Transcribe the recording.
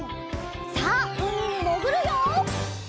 さあうみにもぐるよ！